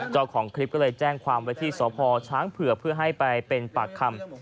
เจ้าของคลิปก็เลยแจ้งความไว้ที่สพช้างเผื่อเพื่อให้ไปเป็นปากคำ